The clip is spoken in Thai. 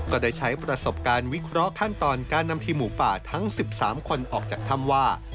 ก็ได้ใช้ประสบการณ์วิเคราะห์ขั้นตอนการนำทีมหมูป่าทั้ง๑๓คนออกจากถ้ำว่า